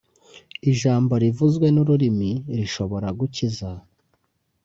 Ijambo rivuzwe n’ururimi rishobora gukiza